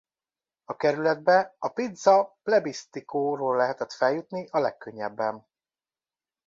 A kerületbe a Piazza Plebiscito-ról lehet feljutni a legkönnyebben.